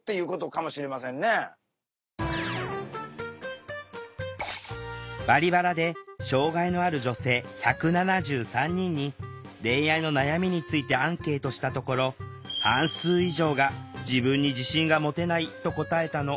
そもそも「バリバラ」で障害のある女性１７３人に恋愛の悩みについてアンケートしたところ半数以上が「自分に自信が持てない」と答えたの。